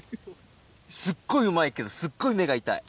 すっごいうまいけど、すっごい目が痛い。